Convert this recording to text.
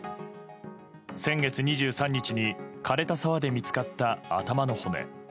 先月２３日に枯れた沢で見つかった頭の骨。